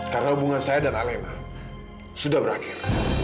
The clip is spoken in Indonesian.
karena hubungan saya dan alena sudah berakhir